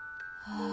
ああ！